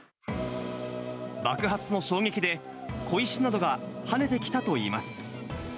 爆発の衝撃で小石などが跳ねてきたといいます。